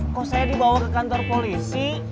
kok saya dibawa ke kantor polisi